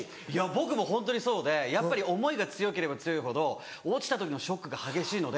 僕もホントにそうでやっぱり思いが強ければ強いほど落ちた時のショックが激しいので。